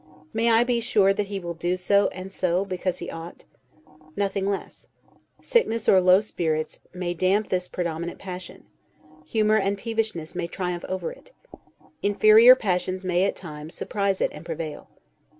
May I be sure that he will do so and so, because he ought? Nothing less. Sickness or low spirits, may damp this predominant passion; humor and peevishness may triumph over it; inferior passions may, at times, surprise it and prevail.